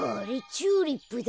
チューリップだ。